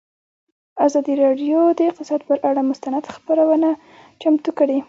ازادي راډیو د اقتصاد پر اړه مستند خپرونه چمتو کړې.